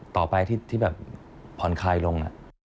ต่อไปที่แบบผ่อนคลายลง